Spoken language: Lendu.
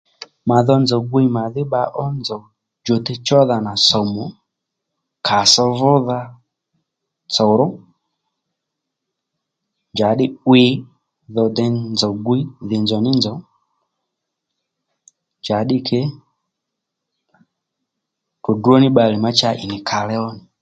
Mà dho nzòw gwiy màdhí bba ó nzòw djòte chódha nà sòmù ò kàss vúdha tsòró njàddí 'wiy dho dey nzòw gwiy dhì nzòw ní nzòw njàddî kee ddròddró ní bbalè ma cha ì nì kaale ó nì